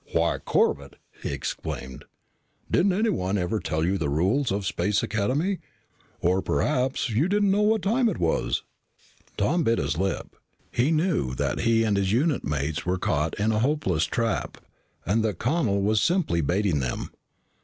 "Why, Corbett," he exclaimed, "didn't anyone ever tell you the rules of Space Academy? Or perhaps you didn't know what time it was?" Tom bit his lip. He knew that he and his unit mates were caught in a hopeless trap and that Connel was simply baiting them.